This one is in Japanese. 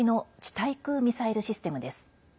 対空ミサイルシステムです。